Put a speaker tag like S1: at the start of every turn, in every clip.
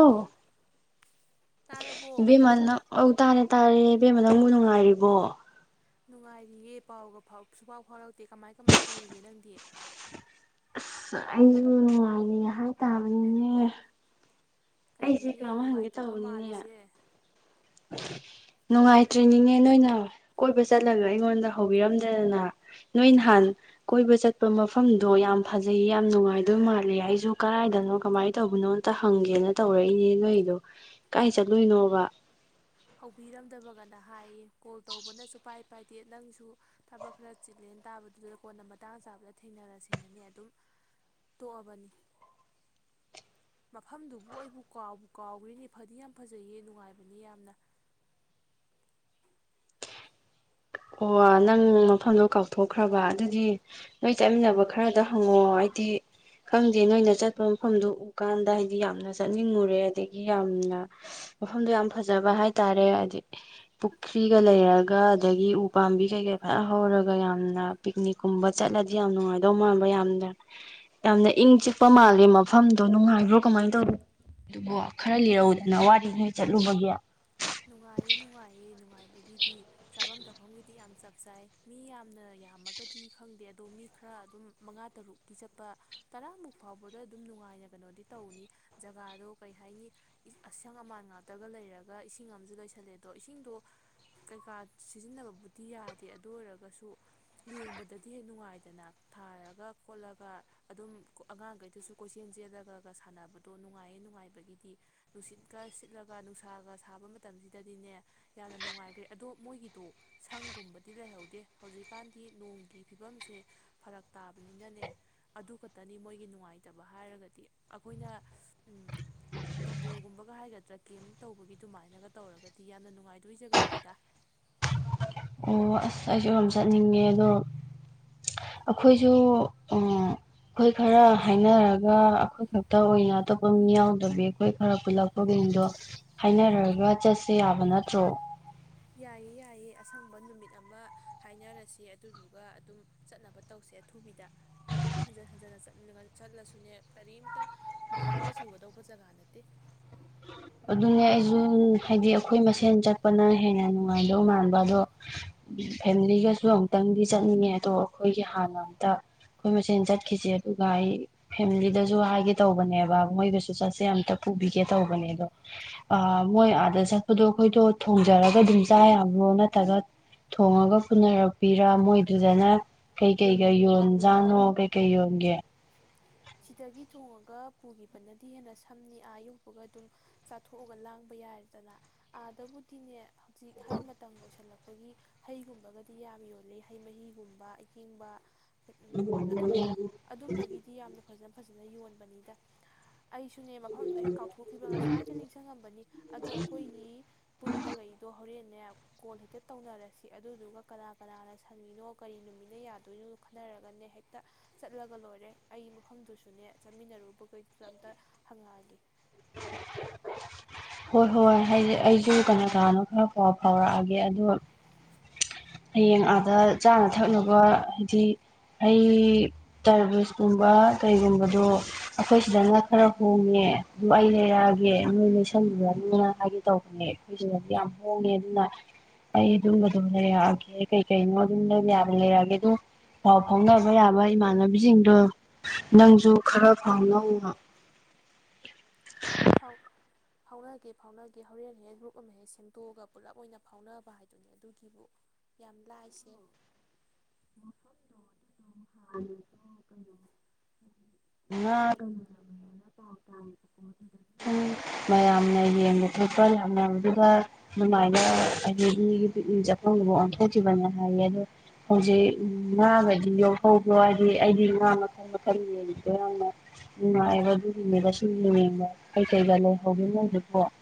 S1: ꯑꯧ
S2: ꯇꯥꯔꯕꯣ
S1: ꯏꯕꯦꯃ ꯅꯪ ꯑꯧ ꯇꯥꯔꯦ꯫ ꯇꯥꯔꯦ ꯏꯕꯦꯝꯃ ꯅꯪꯕꯨ ꯅꯨꯡꯉꯥꯏꯔꯤꯕꯣ꯫
S2: ꯅꯨꯡꯉꯥꯏꯔꯤꯌꯦ ꯄꯥꯎꯒ ꯁꯨꯡꯐꯥꯎ ꯐꯥꯎꯔꯛꯇꯦ ꯀꯃꯥꯏ ꯀꯃꯥꯏ ꯇꯧꯔꯤꯒꯦ ꯅꯪꯗꯤ꯫
S1: ꯑꯩꯁꯨ ꯅꯨꯡꯉꯥꯏꯔꯤ ꯍꯥꯏ ꯇꯥꯕꯅꯤꯅꯦ꯫ ꯑꯩꯁꯦ
S2: ꯀꯩꯅꯣꯅꯦ
S1: ꯀꯩꯅꯣꯝ
S2: ꯅꯨꯡꯉꯥꯏꯇꯕ ꯃꯥꯜꯂꯤꯁꯦ꯫
S1: ꯅꯨꯡꯉꯥꯏꯇ꯭ꯔꯔꯤꯅꯤꯅꯦ ꯅꯣꯏꯅ ꯀꯣꯏꯕ ꯆꯠꯂꯒ ꯑꯩꯉꯣꯟꯗ ꯍꯧꯕꯤꯔꯝꯗꯦꯗꯅ ꯅꯣꯏ ꯅꯍꯥꯟ ꯀꯣꯏꯕ ꯆꯠꯄ ꯃꯐꯝꯗꯣ ꯌꯥꯝ ꯐꯖꯩꯌꯦ ꯌꯥꯝ ꯅꯨꯡꯉꯥꯏꯗꯣꯏ ꯃꯥꯂꯦ ꯑꯩꯁꯨ ꯀꯗꯥꯥꯏꯗꯅꯣ ꯀꯃꯥꯏꯅ ꯇꯧꯕꯅꯣ ꯑꯝꯇ ꯍꯪꯒꯦꯅ ꯇꯧꯔꯛꯏꯅꯦ ꯅꯣꯏꯗꯣ ꯀꯥꯏ ꯆꯠꯂꯨꯅꯣꯕ꯫
S2: ꯍꯧꯕꯤꯔꯝꯗꯕꯒꯅ ꯍꯥꯏꯌꯦ ꯀꯣꯜ ꯇꯧꯕꯅꯁꯨ ꯄꯥꯏ ꯄꯥꯏꯗꯦ ꯅꯪꯁꯨ ꯊꯕꯛ ꯈꯔ ꯆꯤꯜꯂꯦꯅ ꯇꯥꯕꯗꯨꯗ ꯀꯣꯟꯅ ꯃꯇꯥꯡ ꯆꯥꯕꯗ ꯊꯦꯡꯅꯔꯁꯤꯅꯅꯦ ꯑꯗꯨꯝ ꯇꯣꯛꯑꯕꯅꯤ ꯃꯐꯝꯗꯨꯕꯨ ꯑꯩꯕꯨ ꯀꯥꯎꯕꯨ ꯀꯥꯎꯒ꯭ꯔ‌ꯦꯅ‌ꯦ ꯐꯗꯤ ꯌꯥꯝ ꯐꯖꯩꯌꯦ ꯅꯨꯡꯉꯥꯏꯕꯅꯤ ꯌꯥꯝꯅ꯫
S1: ꯑꯣ ꯅꯪ ꯃꯐꯝꯗꯣ ꯀꯥꯎꯊꯣꯛꯈ꯭ꯔꯕ ꯑꯗꯨꯗꯤ ꯅꯣꯏ ꯆꯠꯃꯤꯟꯅꯕ ꯈꯔꯗ ꯍꯪꯑꯣ ꯍꯥꯏꯗꯤ ꯈꯪꯗꯦ ꯅꯣꯏꯅ ꯆꯠꯄ ꯃꯐꯝꯗꯣ ꯎꯀꯥꯟꯗ ꯍꯥꯏꯗꯤ ꯌꯥꯝꯅ ꯆꯠꯅꯤꯡꯉꯨꯔꯦ ꯑꯗꯒꯤ ꯌꯥꯝꯅ ꯃꯐꯝꯗꯣ ꯌꯥꯝ ꯐꯖꯕ ꯍꯥꯏꯇꯥꯔꯦ ꯍꯥꯏꯗꯤ ꯄꯨꯈ꯭ꯔꯤꯒ ꯂꯩꯔꯒ ꯑꯗꯒꯤ꯫ ꯎꯄꯥꯥꯝꯕꯤ ꯀꯩꯀꯩ ꯐꯖ ꯍꯧꯔꯒ ꯌꯥꯝꯅ ꯄꯤꯛꯅꯤꯛ ꯀꯨꯝꯕ ꯆꯠꯂꯗꯤ ꯌꯥꯝ ꯅꯨꯡꯉꯥꯏꯗꯧ ꯃꯥꯟꯕ ꯌꯥꯝꯅ ꯌꯥꯝꯅ ꯏꯪ ꯆꯤꯛꯄ ꯃꯥꯜꯂꯤ ꯃꯐꯝꯗꯣ ꯅꯨꯡꯉꯥꯏꯕ꯭ꯔꯣ ꯀꯃꯥꯏꯅ ꯇꯧꯔꯤ ꯗꯨꯕ‌ꯣ꯫ ꯈꯔ ꯂꯤꯔꯧꯗꯅ ꯋꯥꯔꯤ ꯅꯣꯏ ꯆꯠꯂꯨꯕꯒꯤ꯫
S2: ꯅꯨꯡꯉꯥꯏꯌꯦ ꯅꯨꯡꯉꯥꯏꯌꯦ ꯅꯨꯡꯉꯥꯏ꯫ ꯍꯥꯏꯕꯒꯤꯗꯤ ꯆꯥꯐꯝ ꯊꯛꯐꯝꯒꯤꯗꯤ ꯌꯥꯝ ꯆꯞ ꯆꯥꯏ ꯃꯤ ꯌꯥꯝꯅ ꯌꯥꯝꯃꯒꯗꯤ ꯈꯪꯗꯦ ꯑꯗꯣ ꯃꯤ ꯈꯔ ꯑꯗꯨꯝ ꯃꯉꯥ ꯇꯔꯨꯛꯀꯤ ꯆꯠꯄ ꯇꯔꯥꯃꯨꯛ ꯐꯥꯎꯕꯗ ꯑꯗꯨꯝ ꯅꯨꯡꯉꯥꯏꯅ ꯀꯩꯅꯣꯗꯤ ꯇꯧꯅꯤ ꯖꯒꯥꯗꯣ ꯀꯩ ꯍꯥꯏꯅꯤ ꯑꯁꯪ ꯑꯃꯥꯟ ꯉꯥꯛꯇꯒ ꯂꯩꯔꯒ꯫ ꯏꯁꯤꯡ ꯑꯃꯁꯨ ꯂ‌ꯣꯏꯁꯜꯂꯦ ꯑꯗꯣ ꯏꯁꯤꯡꯗꯣ ꯀꯩꯀꯥ ꯁꯤꯖꯤꯟꯅꯕꯕꯨꯗꯤ ꯌꯥꯗꯦ ꯑꯗꯨ ꯑꯣꯏꯔꯒꯁꯨ ꯌꯦꯡꯕꯗꯗꯤ ꯍꯦꯛ ꯅꯨꯡꯉꯥꯏꯗꯅ ꯊꯥꯔꯒ ꯈꯣꯠꯂꯒ ꯑꯗꯨꯝ ꯑꯉꯥꯡꯈꯩꯗꯁꯨ ꯀꯣꯏꯆꯦꯜ ꯆꯦꯜꯂꯒꯒ ꯁꯥꯟꯅꯕꯗꯣ ꯅꯨꯡꯉꯥꯏꯌꯦ ꯅꯨꯡꯉꯥꯏꯕꯒꯤꯗꯤ ꯅꯨꯡꯁꯤꯠꯀ ꯁꯤꯠꯂꯒ ꯅꯨꯡꯁꯥꯒ꯫ ꯁꯥꯕ ꯃꯇꯝꯁꯤꯗꯗꯤꯅꯦ ꯌꯥꯝꯅ ꯅꯨꯡꯉꯥꯏꯈ꯭ꯔꯦ ꯑꯗꯣ ꯃꯣꯏꯒꯤꯗꯣ ꯁꯪꯒꯨꯝꯕꯗꯤ ꯂꯩꯍꯧꯗꯦ ꯍꯧꯖꯤꯛꯀꯥꯟꯗꯤ ꯅꯣꯡꯒꯤ ꯐꯤꯕꯝꯁꯦ ꯐꯔꯛ ꯇꯥꯕꯅꯤꯅꯅꯦ ꯑꯗꯨ ꯈꯛꯇꯅꯤ ꯃꯣꯏꯒꯤ ꯅꯨꯡꯉꯥꯏꯇꯕ ꯍꯥꯏꯔꯒꯗꯤ ꯑꯩꯈꯣꯏꯅ ꯗꯝꯕꯨꯜꯒꯨꯝꯕꯒ ꯍꯥꯏꯒꯗ꯭ꯔꯥ ꯀꯦꯝ ꯇꯧꯕꯒꯤ꯫ ꯑꯗꯨꯃꯥꯏꯅꯒ ꯇꯧꯔꯒꯗꯤ ꯌꯥꯝꯅ ꯅꯨꯡꯉꯥꯏꯗꯣꯏ ꯖꯒꯥꯅꯤꯗ꯫
S1: ꯑꯣ ꯑꯁ ꯑꯩꯁꯨ ꯌꯥꯝ ꯆꯠꯅꯤꯡꯉꯦ ꯑꯗꯣ ꯑꯈꯣꯏꯁꯨ ꯑꯈꯣꯏ ꯈꯔ ꯍꯥꯏꯅꯔꯒ ꯑꯩꯈꯣꯏ ꯈꯛꯇ ꯑꯣꯏꯅ ꯑꯇꯣꯞꯄ ꯃꯤ ꯌꯥꯎꯗꯕꯤ ꯑꯩꯈꯣꯏ ꯈꯔ ꯄꯨꯜꯂꯛꯄꯒꯤꯗꯣ ꯍꯥꯏꯅꯔꯒ ꯆꯠꯁꯦ ꯌꯥꯕ ꯅꯠꯇ꯭ꯔꯣ꯫
S2: ꯌꯥꯏꯌꯦ ꯌꯥꯏꯌꯦ ꯑꯁꯪꯕ ꯅꯨꯃꯤꯠ ꯑꯃ ꯍꯥꯏꯅꯔꯁꯤ ꯑꯗꯨꯗꯨꯒ ꯑꯗꯨꯝ ꯆꯠꯅꯕ ꯇꯧꯁꯦ ꯑꯊꯨꯕꯤꯗ ꯑꯗꯨꯝ ꯍꯟꯖꯟ ꯍꯟꯖꯟꯅ ꯆꯠꯂꯁꯨꯅꯦ ꯀꯔꯤꯝꯇ ꯕꯣꯔꯤꯡꯒ ꯆꯨꯒꯗꯧꯕ ꯖꯒꯥ ꯅꯠꯇꯦ꯫
S1: ꯑꯗꯨꯅꯦ ꯑꯩꯁꯨ ꯍꯥꯏꯗꯤ ꯑꯈꯣꯏ ꯃꯁꯦꯟ ꯆꯠꯄꯅ ꯍꯦꯟꯅ ꯅꯨꯡꯉꯥꯏꯗꯧ ꯃꯥꯟꯕ ꯑꯗꯣ ꯐꯦꯃꯤꯂꯤꯒꯁꯨ ꯑꯃꯝꯛꯇꯪꯗꯤ ꯆꯠꯅꯤꯡꯉꯦ ꯑꯗꯣ ꯑꯈꯣꯏꯒꯤ ꯍꯥꯟꯅ ꯑꯃꯝꯇ ꯑꯈꯣꯏ ꯃꯁꯦꯟ ꯆꯠꯈꯤꯁꯦ ꯑꯗꯨꯒ ꯑꯩ ꯐꯦꯃꯤꯂꯤꯗꯁꯨ ꯍꯥꯏꯒꯦ ꯇꯧꯕꯅꯦꯕ ꯃꯣꯏꯒꯁꯨ ꯆꯠꯁꯦ ꯑꯃꯝꯇ ꯄꯨꯕꯤꯒꯦ ꯇꯧꯕꯅꯦ ꯑꯗꯣ꯫ ꯑ ꯃꯣꯏ ꯑꯥꯗ ꯆꯠꯄꯗꯣ ꯑꯩꯈꯣꯏꯗꯣ ꯊꯣꯡꯖꯔꯒ ꯑꯗꯨꯝ ꯆꯥ ꯌꯥꯕ꯭ꯔꯣ ꯅꯠꯇ꯭ꯔꯒ ꯊꯣꯡꯉꯒ ꯄꯨꯅꯔꯛꯄꯤꯔ ꯃꯣꯏꯗꯨꯗꯅ ꯀꯩ ꯀꯩꯒ ꯌꯣꯟꯖꯥꯅꯣ ꯀꯩꯀꯩ ꯌꯣꯟꯒꯦ꯫
S2: ꯁꯤꯗꯒꯤ ꯊꯣꯡꯉꯒ ꯄꯨꯈꯤꯕꯅꯗꯤ ꯍꯦꯟꯅ ꯁꯝꯅꯤ ꯑꯥ ꯌꯧꯕꯒ ꯑꯗꯨꯝ ꯆꯥꯊꯣꯛꯑꯒ ꯂꯥꯡꯕ ꯌꯥꯏꯔꯗꯅ ꯑꯥꯗꯕꯨꯗꯤꯅꯦ꯫ ꯍꯩ ꯃꯇꯝ ꯑꯣꯏꯁꯜꯂꯛꯄ꯫ ꯑꯩꯈꯣꯏꯒꯤ ꯍꯩꯒꯨꯝꯕꯒꯗꯤ ꯌꯥꯝ ꯌꯣꯜꯂꯤ ꯍꯩ ꯃꯍꯤꯒꯨꯝꯕ ꯑꯏꯪꯕ꯫ ꯎꯝ ꯑꯗꯨꯝ ꯑꯗꯨꯝꯕꯒꯤꯗꯤ ꯌꯥꯝꯅ꯫ ꯐꯖꯅ ꯐꯖꯅ ꯌꯣꯟꯕꯅꯤꯗ꯫ ꯑꯩꯁꯨꯅꯦ ꯃꯐꯝꯗꯣ ꯍꯦꯛ ꯀꯥꯎꯊꯣꯛꯈ꯭ꯔꯤꯕ ꯉꯁꯥꯏꯗ ꯅꯤꯡꯁꯤꯡꯉꯝꯕꯅꯤ ꯑꯗꯣ ꯑꯈꯣꯏꯒꯤ ꯄꯨꯟꯕꯈꯩꯗꯣ ꯍꯣꯔꯦꯟ꯫ ꯅꯦ ꯀꯣꯜ ꯍꯦꯛꯇ ꯇꯧꯅꯔꯁꯤ ꯑꯗꯨꯗꯨꯒ ꯀꯅꯥ ꯀꯅꯥꯅ ꯁꯪꯉꯤꯅꯣ ꯀꯔꯤ ꯅꯨꯃꯤꯠꯅ ꯌꯥꯗꯣꯏꯅꯣꯗꫭ ꯈꯟꯅꯔꯒꯅꯦ ꯍꯦꯛꯇ ꯆꯠꯂꯒ ꯂꯣꯏꯔꯦ ꯑꯩ꯫ ꯃꯐꯝꯗꯨꯁꯨꯅꯦ ꯆꯥꯃꯤꯟꯅꯔꯨꯕꯈꯩꯗꯨꯁꯨ ꯑꯝꯇ ꯍꯪꯉꯛꯑꯒꯦ꯫
S1: ꯍꯣꯏ ꯍꯣꯏ ꯍꯥꯏꯗꯤ ꯑꯩꯁꯨ ꯀꯩꯅꯣ ꯀꯅꯣ ꯈꯔ ꯐꯥꯎꯕ ꯐꯥꯎꯔꯛꯑꯒꯦ ꯑꯗꯣ꯫ ꯍꯌꯦꯡ ꯑꯥꯗ ꯆꯥꯅ ꯊꯛꯅꯕ ꯍꯥꯏꯗꯤ ꯍꯩ ꯇꯔꯕꯤꯁꯀꯨꯝꯕ ꯀꯩꯒꯨꯝꯕꯗꯣ ꯑꯈꯣꯏ ꯁꯤꯗꯅ ꯈꯔ ꯍꯣꯡꯉꯦ ꯑꯗꯨ ꯑꯩ ꯂꯩꯔꯛꯑꯒꯦ ꯅꯣꯏ ꯂꯣꯏꯁꯟꯕꯗ ꯑꯗꯨꯅ ꯍꯥꯏꯒꯦ ꯇꯧꯕꯅꯦ ꯑꯈꯣꯏ ꯁꯤꯗꯗꯤ ꯌꯥꯝ ꯍꯣꯡꯉꯦ ꯑꯗꯨꯅ ꯑꯩ ꯑꯗꯨꯝꯕꯗꯣ ꯂꯩꯔꯛꯑꯒꯦ꯫ ꯀꯩ ꯀꯩꯅꯣ ꯑꯗꯨꯝꯕ ꯂꯩꯔꯛꯑꯒꯦ ꯑꯗꫭ ꯄꯥꯎ ꯐꯥꯎꯅꯕ ꯌꯥꯕ ꯏꯃꯥꯟꯅꯕꯤꯁꯤꯡꯗꯣ ꯅꯪꯁꯨ ꯈꯔ ꯐꯥꯎꯅꯧꯑꯣ꯫
S2: ꯐꯥꯎꯅꯒꯦ ꯐꯥꯎꯅꯒꯦ ꯍꯣꯔꯦꯟ ꯍꯦꯛ ꯒ꯭ꯔꯨꯞ ꯑꯃ ꯍꯦꯛ ꯁꯦꯝꯗꯣꯛꯑꯒ ꯄꯨꯂꯞ ꯑꯣꯏꯅ ꯐꯥꯎꯅꯕ ꯍꯥꯏꯗꯨꯅꯦ ꯑꯗꯨꯒꯤꯕꯨ ꯌꯥꯝ ꯂꯥꯏꯁꯦ꯫
S1: ꯫ ꯉꯥ ꯃꯌꯥꯝꯅ ꯌꯦꯡꯕ ꯊꯣꯛꯄ ꯌꯥꯝꯗꯨꯗ ꯑꯗꯨꯃꯥꯏꯅ ꯍꯥꯏ ꯃꯤꯒꯤ ꯄꯤꯅꯤꯡ ꯆꯐꯪꯗꯕꯨ ꯑꯣꯟꯊꯣꯛꯈꯤꯕꯅꯦ ꯍꯥꯏꯌꯦ ꯑꯗꯣ ꯍꯧꯖꯤꯛ ꯉꯥꯒꯗꯤ ꯌꯣꯛꯍꯧꯕ꯭ꯔꯣ ꯍꯥꯏꯗꯤ ꯑꯩꯗꯤ ꯉꯥ ꯃꯈꯜ ꯃꯈꯜ ꯌꯦꯡꯉꯦ꯫ ꯌꯥꯝꯅ ꯅꯨꯡꯉꯥꯏꯕ ꯑꯗꯨꯒꯤꯅꯦꯕ ꯁꯨꯝ ꯌꯦꯡꯕ ꯀꯩꯀꯩꯒ ꯂꯩꯍꯧꯒꯅꯣꯗꯨꯕꫭ꯫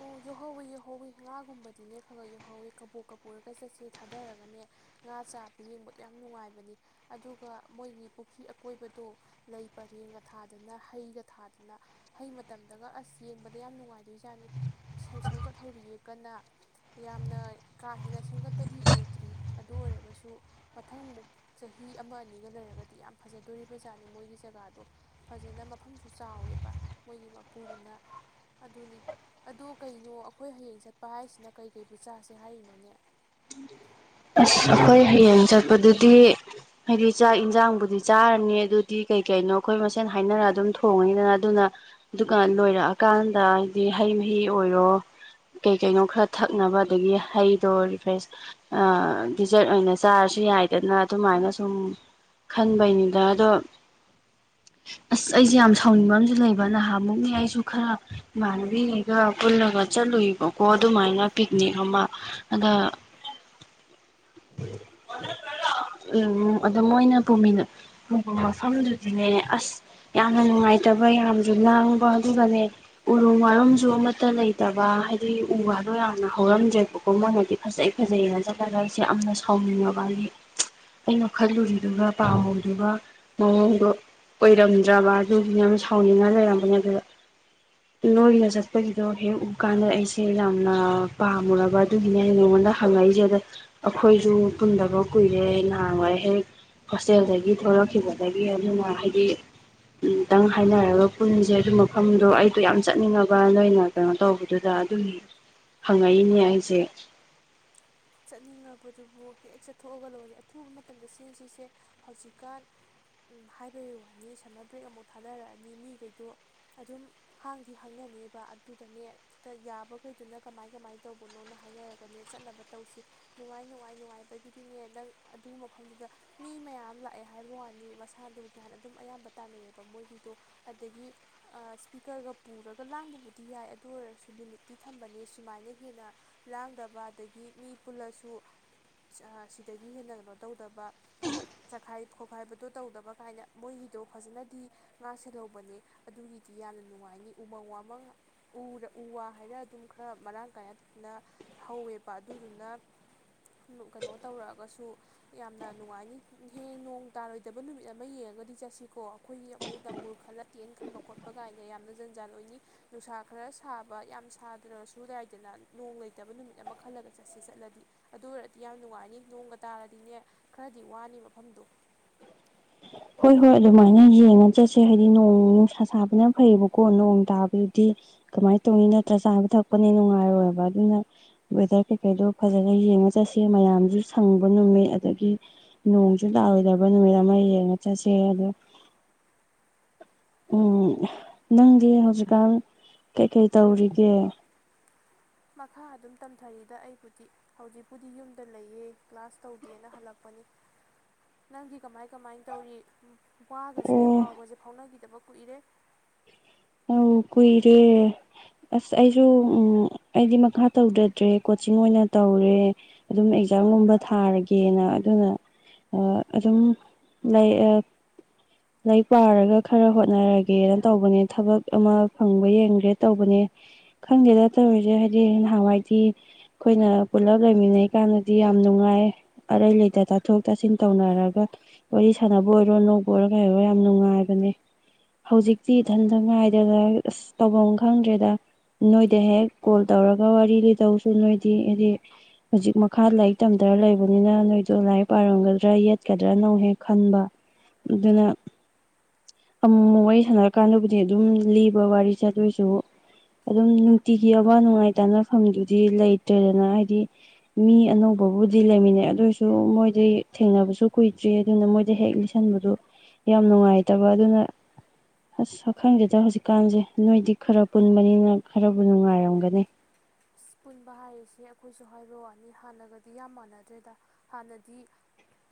S2: ꯑꯣ ꯌꯧꯍꯧꯋꯤ ꯌꯧꯍꯧꯋꯤ ꯉꯥꯒꯨꯝꯕꯗꯤꯅꯦ ꯈꯒ ꯌꯧꯍꯧꯋꯤ ꯀꯕꯣꯛ ꯀꯄꯨꯔꯒ ꯆꯠꯁꯦ ꯊꯥꯗꯔꯒꯅꯦ ꯉꯥ ꯆꯥꯕ ꯌꯦꯡꯕꯗꯣ ꯌꯥꯝ ꯅꯨꯡꯉꯥꯏꯕꯅꯤ ꯑꯗꯨꯒ ꯃꯣꯏꯒꯤ ꯄꯨꯈ꯭ꯔꯤ ꯑꯀꯣꯏꯕꯗꯣ ꯂꯩ ꯄꯔꯦꯡꯒ ꯊꯥꯗꯅ ꯍꯩꯒ ꯊꯥꯗꯅ ꯍꯩ ꯃꯇꯝꯗꯒ ꯑꯁ ꯌꯦꯡꯕꯗ ꯌꯥꯝ ꯅꯨꯡꯉꯥꯏꯗꯣꯏꯖꯥꯠꯅꯤ꯫ ꯁꯦꯝ ꯁꯦꯝꯒꯠꯍꯧꯔꯤꯌꯦ꯫ ꯀꯅꯥ ꯌꯥꯝꯅ ꯀꯥ ꯍꯦꯟꯅ ꯁꯦꯝꯒꯠꯄꯗꯤ ꯑꯣꯏꯗ꯭ꯔꯤ ꯑꯗꯨ ꯑꯣꯏꯔꯒꯁꯨ ꯃꯊꯪ ꯃꯨꯛ ꯆꯍꯤ ꯑꯃ ꯑꯅꯤꯒ ꯂꯩꯔꯒꯗꯤ ꯌꯥꯝ ꯐꯖꯗꯣꯔꯤꯕ ꯖꯥꯠꯅꯤ ꯃꯣꯏꯒꯤ ꯖꯒꯥꯗꯣ ꯐꯖꯅ ꯃꯐꯝꯁꯨ ꯆꯥꯎꯋꯦꯕ ꯃꯣꯏꯒꯤ ꯃꯄꯨꯗꯨꯅ ꯑꯗꯨꯅꯤ ꯑꯗꯨ ꯀꯩꯅꯣ ꯑꯈꯣꯏ ꯍꯌꯦꯡ ꯆꯠꯄ ꯍꯥꯏꯁꯤꯅ ꯀꯩ - ꯀꯩꯕꯨ ꯆꯥꯁꯦ ꯍꯥꯏꯔꯤꯅꯣꯅꯦ?
S1: ꯑꯁ ꯑꯩꯈꯣꯏ ꯍꯩꯌꯦꯡ ꯆꯠꯄꯗꯨꯗꯤ ꯗꯤ ꯍꯥꯏꯗꯤ ꯆꯥꯛ ꯌꯦꯟꯁꯥꯡꯕꯨꯗꯤ ꯆꯥꯔꯅꯤ ꯑꯗꯨꯗꯤ ꯀꯩ ꯀꯩꯅꯣ ꯑꯩꯈꯣꯏ ꯃꯁꯦꯟ ꯍꯥꯏꯅꯔ ꯑꯗꯨꯝ ꯊꯣꯡꯉꯅꯤꯗꯅ ꯑꯗꯨꯅ ꯑꯗꯨꯒ ꯂꯣꯏꯔꯛꯑꯀꯥꯟꯗ ꯍꯥꯏꯗꯤ ꯍꯩ ꯃꯍꯤ ꯑꯣꯏꯔꯣ ꯀꯩ ꯀꯩꯅꯣ ꯈꯔ ꯊꯛꯅꯕ ꯑꯗꯒꯤ ꯍꯩꯗꯣ ꯔꯤꯐ꯭ꯔꯦꯁ ꯑꯥ ꯗꯤꯖꯔꯠ ꯑꯣꯏꯅ ꯆꯥꯔꯁꯨ ꯌꯥꯏꯗꯅ ꯑꯗꯨꯃꯥꯏꯅ ꯁꯨꯝ ꯈꯟꯕꯩꯅꯤꯗ ꯑꯗꯣ ꯑꯁ ꯑꯩꯁꯦ ꯌꯥꯝ ꯁꯥꯎꯅꯤꯡꯕ ꯑꯃꯥꯗꯤ ꯂꯩꯕ ꯅꯍꯥꯟꯃꯨꯛꯅꯦ ꯑꯩꯁꯨꯅꯦ ꯈꯔ ꯏꯃꯥꯟꯅꯕꯤꯈꯩꯒ ꯄꯨꯜꯂꯒ ꯆꯠꯂꯨꯏꯕꯀꯣ ꯑꯗꯨꯃꯥꯏꯅ ꯄꯤꯛꯅꯤꯛ ꯑꯃ ꯑꯗ ꯎꯝ ꯑꯗ ꯃꯣꯏꯅ ꯄꯨꯃꯤ ꯄꯨꯕ ꯃꯐꯝꯗꯨꯗꯤꯅꯦ ꯑꯁ ꯌꯥꯝꯅ ꯅꯨꯡꯉꯥꯏꯇꯕ ꯌꯥꯝꯁꯨ ꯂꯥꯡꯕ ꯑꯗꯨꯒꯅꯦ ꯎꯔꯨꯝ ꯋꯥꯔꯨꯝꯁꯨ ꯑꯃꯠꯇ ꯂꯩꯇꯕ ꯍꯥꯏꯗꯤ ꯎ ꯋꯥꯗꯣ ꯌꯥꯝꯅ ꯍꯧꯔꯝꯗ꯭ꯔꯦꯕꯀꯣ ꯃꯣꯏꯅꯗꯤ ꯐꯖꯩ ꯐꯖꯩꯅ ꯆꯠꯄ ꯑꯗꯥ ꯑꯩꯁꯦ ꯌꯥꯝꯅ ꯁꯥꯎꯅꯤꯡꯉꯕꯅꯤ ꯑꯩꯅ ꯈꯜꯂꯨꯔꯤꯗꯨꯒ ꯄꯥꯝꯃꯨꯏꯗꯨꯒ ꯃꯑꯣꯡꯗꯣ ꯑꯣꯏꯔꯝꯗ꯭ꯔꯕ ꯑꯗꯨꯒꯤꯅꯦ ꯌꯥꯝ ꯁꯥꯎꯅꯤꯡꯉ ꯂꯩꯔꯝꯕꯅꯦ ꯑꯗꯨꯗ ꯅꯣꯏꯅ ꯆꯠꯄꯒꯤꯗꯣ ꯍꯦꯛ ꯎ ꯀꯥꯟꯗ ꯑꯩꯁꯦ ꯌꯥꯝꯅ ꯄꯥꯝꯃꯨꯔꯕ ꯑꯗꯨꯒꯤꯅꯦ ꯅꯉꯣꯟꯗ ꯍꯪꯉꯛꯏꯁꯦ ꯑꯗ ꯑꯩꯈꯣꯏꯁꯨ ꯄꯨꯟꯗꯕ ꯀꯨꯏꯔꯦ ꯅꯍꯥꯟꯋꯥꯏ ꯍꯦꯛ ꯍꯣꯁꯇꯦꯜꯗꯒꯤ ꯊꯣꯛꯂꯛꯈꯤꯕꯗꯒꯤ ꯑꯗꯨꯅ ꯍꯥꯏꯗꯤ ꯇꯪ ꯍꯥꯏꯅꯔꯒ ꯄꯨꯟꯁꯦ ꯑꯗꯨ ꯃꯐꯝꯗꯣ ꯑꯩꯗꯣ ꯌꯥꯝ ꯆꯠꯅꯤꯡꯉꯕ ꯅꯣꯏꯅ ꯀꯩꯅꯣ ꯇꯧꯕꯗꯨꯗ ꯑꯗꯨꯒꯤ ꯍꯪꯉꯛꯏꯅꯦ ꯑꯩꯁꯦ
S2: ꯆꯠꯅꯤꯡꯉꯥꯕꯗꯨꯕꯨ ꯍꯦꯛ ꯆꯠꯊꯣꯛꯑꯒ ꯂꯣꯏꯔꯦ ꯑꯊꯨꯕ ꯃꯇꯝꯗ ꯁꯤꯟ ꯁꯤꯁꯦ ꯍꯧꯖꯤꯛꯀꯥꯟ ꯎꯨꯝ ꯍꯥꯏꯕꯩ ꯋꯥꯅꯤ ꯁꯝꯃꯔ ꯕ꯭ꯔꯦꯛ ꯑꯃꯨꯛ ꯊꯥꯅꯔꯛꯑꯅꯤ ꯃꯤꯈꯩꯗꯣ ꯑꯗꯨꯝ ꯍꯥꯡꯗꯤ ꯍꯥꯡꯅ ꯅꯦꯕꯥ ꯑꯗꯨꯗꯅꯦ ꯌꯥꯕꯈꯩꯗꯨꯅ ꯀꯃꯥꯏ ꯀꯃꯥꯏꯅ ꯇꯧꯕꯅꯣꯅ ꯍꯥꯏꯅꯔꯒꯅꯤ ꯆꯠꯅꯕ ꯇꯧꯁꯤ ꯅꯨꯡꯉꯥꯏ ꯅꯨꯡꯉꯥꯏ ꯅꯨꯡꯉꯥꯏꯕꯒꯤꯗꯤꯅꯦ ꯅꯪ ꯑꯗꯨ ꯃꯐꯝꯗꯨꯗ ꯃꯤ ꯃꯌꯥꯝ ꯂꯥꯛꯑꯦ ꯍꯥꯏꯕꯩ ꯋꯥꯅꯤ ꯃꯁꯥꯗꯣ ꯀ ꯍꯥꯟꯅ ꯑꯗꯨꯝ ꯑꯌꯥꯝꯕ ꯇꯥꯟꯅꯩꯑꯕ ꯃꯣꯏꯒꯤꯗꯣ ꯑꯗꯒꯤ ꯏꯁꯄꯤꯀꯔꯒ ꯄꯨꯔꯒ ꯂꯥꯡꯕꯕꯨꯗꯤ ꯌꯥꯏ ꯑꯗꯨ ꯑꯣꯏꯔꯁꯨ ꯂꯤꯃꯤꯠꯇꯤ ꯊꯝꯕꯅꯦ ꯁꯨꯃꯥꯏꯅ ꯍꯦꯟꯅ ꯂꯥꯡꯗꯕ ꯑꯗꯒꯤ ꯃꯤ ꯄꯨꯜꯂꯁꯨ ꯁꯤꯗꯒꯤ ꯍꯦꯟꯅ ꯀꯩꯅꯣ ꯇꯧꯗꯕ ꯆꯈꯥꯏ ꯈꯣꯠꯈꯥꯏꯕꯗꯣ ꯇꯧꯗꯕ ꯀꯥꯏꯅ ꯃꯣꯏꯒꯤꯗꯣ ꯐꯖꯅꯗꯤ ꯉꯥꯛ ꯁꯦꯜꯍꯧꯕꯅꯦ ꯑꯗꯨꯒꯤꯗꯤ ꯌꯥꯝꯅ ꯅꯨꯡꯉꯥꯏꯅꯤ ꯎꯃꯪ ꯋꯥꯃꯪ ꯎ ꯋꯥ ꯍꯥꯏꯔ ꯑꯗꯨꯝ ꯈꯔ ꯃꯔꯥꯡ ꯀꯥꯏꯅ ꯍꯧꯋꯦꯕ ꯑꯗꯨꯗꯨꯅ ꯀꯩꯅꯣ ꯇꯧꯔꯛꯑꯒꯁꯨ ꯌꯥꯝꯅ ꯅꯨꯡꯉꯥꯏꯅꯤ ꯍꯌꯦꯡ ꯅꯣꯡ ꯇꯥꯔꯣꯏꯗꯕ ꯅꯨꯃꯤꯠ ꯑꯃ ꯌꯦꯡꯉꯒꯗꯤ ꯆꯠꯁꯤꯀꯣ ꯑꯩꯈꯣꯏꯒꯤ ꯑꯃꯨꯛ ꯗꯝꯕꯨꯔ ꯈꯜꯂ ꯇꯦꯅꯇ ꯈꯟꯕ ꯈꯣꯠꯄ ꯀꯥꯏꯅ ꯌꯥꯝꯅ ꯖꯟꯖꯥꯥꯟ ꯑꯣꯏꯅꯤ ꯅꯨꯡꯁꯥ ꯈꯔ ꯁꯥꯕ ꯌꯥꯝ ꯁꯥꯗ꯭ꯔꯁꯨ ꯌꯥꯏꯗꯅ ꯅꯣꯡ ꯂꯩꯇꯕ ꯅꯨꯃꯤꯠ ꯑꯃ ꯈꯜꯂꯒ ꯆꯠꯁꯤ ꯆꯠꯂꯗꯤ ꯑꯗꯨ ꯑꯣꯏꯔꯗꯤ ꯌꯥꯝ ꯅꯨꯡꯉꯥꯏꯅꯤ ꯅꯣꯡꯒ ꯇꯥꯔꯗꯤꯅꯦ ꯈꯔꯗꯤ ꯋꯥꯅꯤ ꯃꯐꯝꯗꯣ
S1: ꯍꯣꯏ ꯍꯣꯏ ꯑꯗꯨꯃꯥꯏꯅ ꯌꯦꯡꯉ ꯆꯠꯁꯦ ꯍꯥꯏꯗꯤ ꯅꯣꯡ ꯅꯨꯡꯁꯥ ꯁꯥꯕꯅ ꯐꯩꯌꯦꯕꯀꯣ ꯅꯣꯡ ꯇꯥꯕꯗꯨꯗꯤ ꯀꯃꯥꯏꯅ ꯇꯧꯅꯤ ꯅꯠꯇ꯭ꯔ ꯆꯥꯕ ꯊꯛꯄꯅꯦ ꯅꯨꯡꯉꯥꯏꯔꯣꯏꯕ ꯑꯗꯨꯅ ꯋꯦꯗꯔ ꯀꯩꯀꯩꯗꯣ ꯐꯖꯅ ꯌꯦꯡꯉ ꯆꯠꯁꯦ ꯃꯌꯥꯝꯁꯨ ꯁꯪꯕ ꯅꯨꯃꯤꯠ ꯑꯗꯒꯤ ꯅꯣꯡꯁꯨ ꯇꯥꯔꯣꯏꯗꯕ ꯅꯨꯃꯤꯠ ꯑꯃ ꯌꯦꯡꯉ ꯆꯠ ꯆꯁꯦ ꯑꯗꯣ ꯎꯝ ꯅꯪꯗꯤ ꯍꯧꯖꯤꯛꯀꯥꯟ ꯀꯩꯀꯩ ꯇꯧꯔꯤꯒꯦ
S2: ꯃꯈꯥ ꯑꯗꯨꯝ ꯇꯝꯊꯔꯤꯗ ꯑꯩꯕꯨꯗꯤ ꯍꯧꯖꯤꯛꯄꯨꯗꯤ ꯌꯨꯝꯗ ꯂꯩꯌꯦ ꯀ꯭ꯂꯥꯁ ꯇꯧꯗꯦꯅ ꯍꯜꯂꯛꯄꯅꯤ ꯅꯪꯗꯤ ꯀꯃꯥꯏ ꯀꯃꯥꯏ ꯇꯧꯔꯤ ꯋꯥꯒꯁꯦ
S1: ꯑꯣ
S2: ꯄꯥꯎꯒꯁꯦ ꯐꯥꯎꯅꯒꯤꯗꯕ ꯎꯔꯦ
S1: ꯎꯝ ꯀꯨꯏꯔꯦ ꯑꯁ ꯑꯩꯁꯨ ꯎꯝ ꯑꯩꯗꯤ ꯃꯈꯥ ꯇꯧꯗꯗ꯭ꯔꯦ ꯀꯣꯆꯤꯡ ꯑꯣꯏꯅ ꯇꯧꯔꯦ ꯑꯗꯨꯝ ꯑꯦꯛꯖꯥꯝꯒꯨꯝꯕ ꯊꯥꯔꯒꯦꯅ ꯑꯗꯨꯅ ꯑꯗꯨꯝ ꯂꯥꯏꯔꯤꯛ ꯄꯥꯔꯒ ꯈꯔ ꯍꯣꯠꯅꯔꯒꯅꯦ ꯇꯧꯕꯅꯦ ꯊꯕꯛ ꯑꯃ ꯐꯪꯕ ꯌꯦꯡꯒꯦ ꯇꯧꯕꯅꯦ ꯈꯪꯗꯦꯗ ꯇꯧꯔꯤꯁꯦ ꯍꯥꯏꯗꯤ ꯅꯍꯥꯟꯋꯥꯏꯗꯤ ꯑꯩꯈꯣꯏꯅ ꯄꯨꯜꯂꯞ ꯂꯩꯃꯤꯟꯅꯩꯀꯥꯟꯗꯗꯤ ꯌꯥꯝ ꯅꯨꯡꯉꯥꯏ ꯑꯔꯩ ꯂꯩꯇ ꯇꯥꯊꯣꯛ ꯇꯥꯁꯤꯟ ꯇꯧꯅꯔꯒ ꯋꯥꯔꯤ ꯁꯥꯟꯅꯕ ꯑꯣꯏꯔꯣ ꯅꯣꯛꯄ ꯑꯣꯏꯔꯣ ꯀꯩ ꯑꯣꯏꯔꯣ ꯌꯥꯝ ꯅꯨꯡꯉꯥꯏꯕꯅꯦ ꯍꯧꯖꯤꯛꯇꯤ ꯏꯊꯟꯇ ꯉꯥꯏꯗꯅ ꯑꯁ ꯇꯧꯐꯝ ꯈꯪꯗ꯭ꯔꯦꯗ ꯅꯣꯏꯗ ꯍꯦꯛ ꯀꯣꯜ ꯇꯧꯔꯒ ꯋꯥꯔꯤ ꯂꯤꯗꯧꯁꯨ ꯅꯣꯏꯗꯤ ꯍꯥꯏꯗꯤ ꯍꯧꯖꯤꯛ ꯃꯈꯥ ꯂꯥꯏꯔꯤꯛ ꯇꯝꯗꯔ ꯂꯩꯕꯅꯤꯅ ꯅꯣꯏꯗꯣ ꯂꯥꯏꯔꯤꯛ ꯄꯥꯔꯝꯒꯗ꯭ꯔꯥ ꯌꯦꯠꯀꯗ꯭ꯔꯥꯅ ꯍꯦꯛ ꯈꯟꯕ ꯑꯗꯨꯅ ꯑꯃꯨꯛꯃꯨꯛ ꯋꯥꯔꯤ ꯁꯥꯟꯅꯔ ꯀꯥꯟꯅꯕꯕꯨꯗꯤ ꯑꯗꯨꯝ ꯂꯤꯕ ꯋꯥꯔꯤꯁꯦ ꯑꯗꯨꯑꯣꯏꯁꯨ ꯑꯗꯨꯝ ꯅꯨꯡꯇꯤꯒꯤ ꯑꯋꯥ ꯅꯨꯡꯉꯥꯏꯇꯥꯅꯐꯝꯗꯨꯗꯤ ꯂꯩꯇ꯭ꯔꯦꯗꯅ ꯍꯥꯏꯗꯤ ꯃꯤ ꯑꯅꯧꯕꯕꯨꯗꯤ ꯂꯩꯃꯤꯟꯅꯩ ꯑꯗꯨꯁꯨ ꯃꯣꯏꯗꯤ ꯊꯦꯡꯅꯕꯁꯨ ꯀꯨꯏꯗ꯭ꯔꯤ ꯑꯗꯨꯅ ꯃꯣꯏꯗ ꯍꯦꯛ ꯂꯤꯁꯟꯕꯗꯨ ꯌꯥꯝ ꯅꯨꯡꯉꯥꯏꯇꯕ ꯑꯗꯨꯅ ꯑꯁ ꯈꯪꯒꯦꯗ ꯍꯧꯖꯤꯛꯀꯥꯟꯁꯦ ꯅꯣꯏꯗꯤ ꯈꯔ ꯄꯨꯟꯕꯅꯤꯅ ꯈꯔꯕꯨ ꯅꯨꯡꯉꯥꯏꯔꯝꯒꯅꯤ
S2: ꯑ ꯄꯨꯟꯕ ꯍꯥꯏꯔꯤꯁꯦ ꯑꯩꯈꯣꯏꯁꯨ ꯍꯥꯏꯕ ꯋꯥꯅꯤ ꯍꯥꯟꯅꯒꯗꯤ ꯌꯥꯝ ꯃꯥꯟꯅꯗ꯭ꯔꯦꯗ ꯍꯥꯟꯅꯗꯤ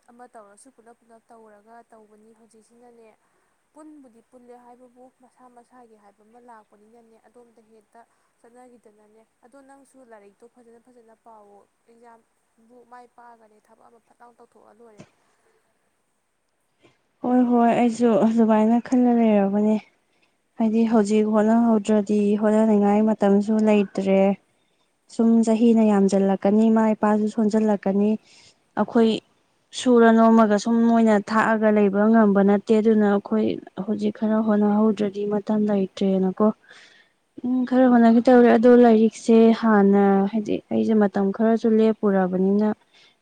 S2: ꯑꯃ ꯇꯧꯔꯁꯨ ꯄꯨꯂꯞ ꯄꯨꯂꯞ ꯇꯧꯔꯒ ꯇꯧꯕꯅꯤ ꯍꯧꯖꯤꯛꯁꯤꯅꯅꯦ ꯄꯨꯟꯕꯨꯗꯤ ꯄꯨꯜꯂꯦ ꯍꯥꯏꯕꯕꯨ ꯃꯁꯥ ꯃꯁꯥꯒꯤ ꯍꯥꯏꯕ ꯑꯃ ꯂꯥꯛꯄꯅꯤꯅꯅꯦ ꯑꯗꯣꯝꯗ ꯍꯦꯛꯇ ꯆꯠꯅꯈꯤꯗꯅꯅꯦ ꯑꯗꯣ ꯅꯪꯁꯨ ꯂꯥꯏꯔꯤꯛꯇꯣ ꯐꯖꯅ ꯐꯖꯅ ꯄꯥꯎ ꯑꯦꯛꯖꯥꯝꯕꯨ ꯃꯥꯏ ꯄꯥꯛꯑꯒꯅꯦ ꯊꯕꯛ ꯑꯃ ꯐꯠ ꯂꯥꯎ ꯇꯧꯊꯣꯛꯑ ꯂꯣꯏꯔꯦ
S1: ꯍꯣꯏ ꯍꯣꯏ ꯑꯩꯁꯨ ꯑꯗꯨꯃꯥꯏꯅ ꯈꯜꯂ ꯂꯩꯔꯕꯅꯦ ꯍꯥꯏꯗꯤ ꯍꯧꯖꯤꯛ ꯍꯣꯠꯅꯍꯧꯗ꯭ꯔꯗꯤ ꯍꯣꯠꯅꯅꯤꯡꯉꯥꯏ ꯃꯇꯝꯁꯨ ꯂꯩꯇ꯭ꯔꯦ ꯁꯨꯝ ꯆꯍꯤꯅ ꯌꯥꯝꯁꯤꯜꯂꯛꯀꯅꯤ ꯏꯃꯥ ꯏꯄꯥꯁꯨ ꯁꯣꯟꯖꯜꯂꯛꯀꯅꯤ ꯑꯩꯈꯣꯏ ꯁꯨꯔ ꯅꯣꯝꯃꯒ ꯁꯨꯝ ꯃꯣꯏꯅ ꯊꯥꯛꯑꯒ ꯂꯩꯕ ꯉꯝꯕ ꯅꯠꯇꯦ ꯑꯗꯨꯅ ꯑꯩꯈꯣꯏ ꯍꯧꯖꯤꯛ ꯈꯔ ꯍꯣꯠꯅꯍꯧꯗ꯭ꯔꯗꯤ ꯃꯇꯝ ꯂꯩꯇ꯭ꯔꯦꯅꯀꯣ ꯎꯝ ꯈꯔ ꯍꯣꯠꯅꯈꯤ ꯇꯧꯔꯦ ꯑꯗꯣ ꯂꯥꯏꯔꯤꯛꯁꯦ ꯍꯥꯟꯅ ꯍꯥꯏꯗꯤ ꯑꯩꯁꯦ ꯃꯇꯝ ꯈꯔꯁꯨ ꯂꯦꯞꯄꯨꯔꯕꯅꯤꯅ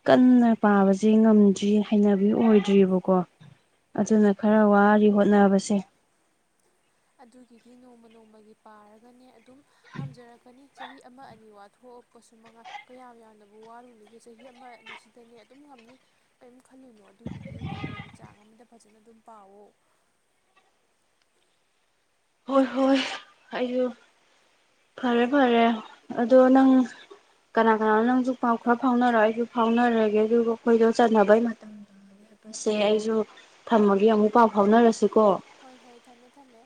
S1: ꯀꯟꯅ ꯄꯥꯕꯁꯦ ꯉꯝꯗ꯭ꯔꯤ ꯍꯩꯅꯕꯤ ꯑꯣꯏꯗ꯭ꯔꯤꯕꯔꯤꯕꯀꯣ ꯑꯗꯨꯅ ꯈꯔ ꯋꯥꯔꯤ ꯍꯣꯠꯅꯕꯁꯦ
S2: ꯑꯗꯨꯒꯤꯗꯤ ꯅꯣꯡꯃ ꯅꯣꯡꯃꯒꯤ ꯄꯥꯔꯒꯅꯦ ꯑꯗꯨꯝ ꯉꯝꯖꯔꯛꯀꯅꯤ ꯆꯍꯤ ꯑꯃ ꯑꯅꯤ ꯋꯥꯊꯣꯛꯑꯄꯁꯨ ꯃꯉꯥꯏ ꯀꯌꯥꯝ ꯌꯥꯝꯅꯕꯨ ꯋꯥꯔꯨꯅꯤꯒꯦ ꯆꯍꯤ ꯑꯃ ꯑꯅꯤꯁꯤꯗꯅꯦ ꯑꯗꯨꯝ ꯉꯝꯅꯤ ꯀꯔꯤꯝ ꯈꯜꯂꯨꯅꯣ ꯑꯗꯨꯒꯤꯗꯤ ꯅꯣꯡꯃꯒꯤ ꯆꯥꯡ ꯑꯃꯗ ꯐꯖꯅ ꯑꯗꯨꯝ ꯄꯥꯎꯋ
S1: ꯍꯣꯏ ꯍꯣꯏ ꯑꯩꯁꯨ ꯐꯔꯦ ꯐꯔꯦ ꯑꯗꯣ ꯅꯪ ꯀꯅꯥ ꯀꯅꯥꯅꯣ ꯅꯪꯁꯨ ꯄꯥꯎ ꯈꯔ ꯐꯥꯎꯅꯔ ꯑꯩꯁꯨ ꯐꯥꯎꯅꯔꯒꯦ ꯑꯗꯨꯒ ꯑꯩꯈꯣꯏꯗꯣ ꯆꯠꯅꯕꯩ ꯃꯇꯝꯗ ꯂꯦꯄꯁꯦ ꯑꯩꯁꯨ ꯊꯝꯃꯒꯦ ꯑꯃꯨꯛ ꯄꯥꯎ ꯐꯥꯎꯅꯔꯁꯤꯀꯣ
S2: ꯍꯣꯏ ꯍꯣꯏ ꯊꯝꯃꯦ ꯊꯝꯃꯦ